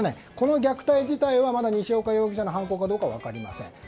この虐待自体はまだ西岡容疑者の犯行かどうか分かりません。